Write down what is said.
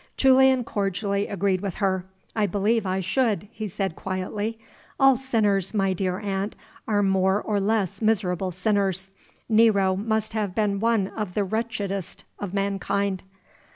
Julian cordially agreed with her. "I believe I should," he said, quietly. "All sinners, my dear aunt, are more or less miserable sinners. Nero must have been one of the wretchedest of mankind."